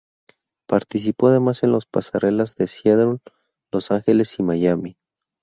Participó además en pasarelas de Seattle, Los Ángeles y Miami.